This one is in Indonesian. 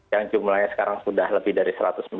yang jumlahnya sekarang sudah lebih dari satu ratus sembilan puluh